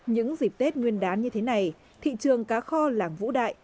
những dịp tết nguyên đán như thế này thị trường cá kho làng vũ đại